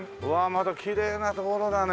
またきれいな所だね。